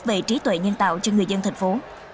về trí tuệ nhân tạo cho người dân thành phố